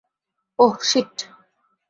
ওহ, sheet!